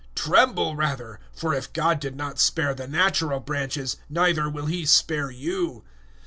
Tremble rather for if God did not spare the natural branches, neither will He spare you.